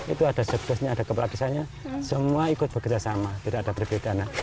itu ada suksesnya ada kepala desanya semua ikut bekerja sama tidak ada perbedaan